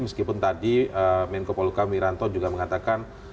meskipun tadi menko poluka miranto juga mengatakan